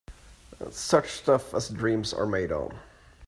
Such stuff as dreams are made on